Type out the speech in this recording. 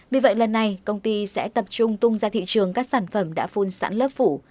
vì vậy lần này công ty sẽ tập trung tung ra thị trường các sản phẩm đã phun sẵn lớp phủ